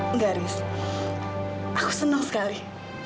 enggak riz aku senang sekali